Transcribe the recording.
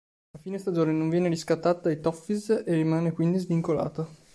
A fine stagione non viene riscattato dai "Toffees" e rimane quindi svincolato.